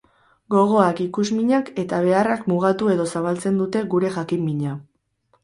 Gogoak, ikusminak eta beharrak mugatu edo zabaltzen dute gure jakin-mina.